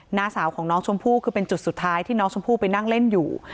หน้าสาวของน้องชมพู่คือเป็นจุดสุดท้ายที่น้องชมพู่ไปนั่งเล่นอยู่